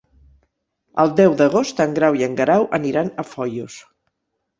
El deu d'agost en Grau i en Guerau aniran a Foios.